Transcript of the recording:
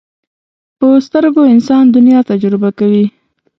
په سترګو انسان دنیا تجربه کوي